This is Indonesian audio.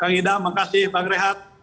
kang idam makasih bang rehat